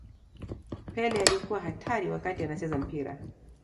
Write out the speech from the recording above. pele alikuwa hatari wakati anacheza mpira